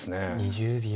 ２０秒。